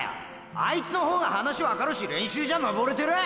あいつの方が話わかるし練習じゃ登れてる！！